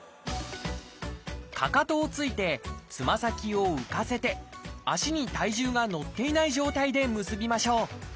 かかとを着いてつま先を浮かせて足に体重が乗っていない状態で結びましょう。